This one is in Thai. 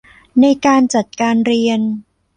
ในการจัดการเรียน